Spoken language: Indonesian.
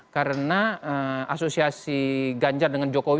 karena asosiasi ganjar dengan jokowi